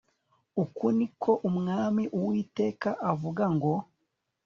uku ni ko umwami uwiteka avuga ngo